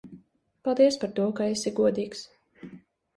Paldies par to, ka esi godīgs.